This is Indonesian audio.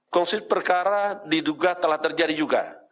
konflik perkara diduga telah terjadi juga